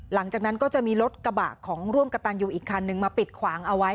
หลังจากนั้นก็จะมีรถกระบะของร่วมกระตันอยู่อีกคันนึงมาปิดขวางเอาไว้